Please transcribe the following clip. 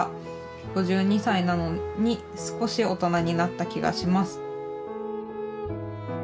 ５２歳なのに少し大人になった気がします」。